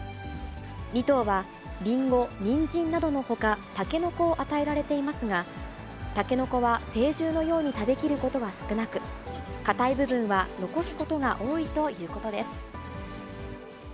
２頭はリンゴ、ニンジンなどのほか、タケノコを与えられていますが、タケノコは成獣のように食べきることは少なく、かたい部分は残すことが多いということです。